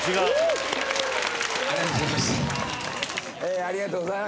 ありがとうございます